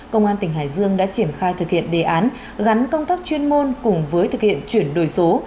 công an tỉnh hải dương đã triển khai thực hiện đề án gắn công tác chuyên môn cùng với thực hiện chuyển đổi số